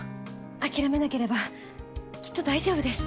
諦めなければきっと大丈夫です。